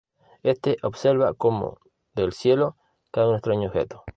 Este observa como del cielo cae un extraño objeto.